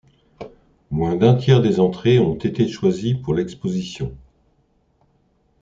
Moins d'un tiers des entrées ont été choisies pour l'exposition.